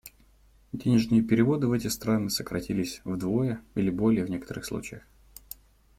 Денежные переводы в эти страны сократились вдвое или более в некоторых случаях.